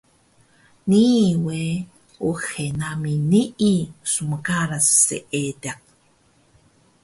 Nii we uxe nami nii smqaras seediq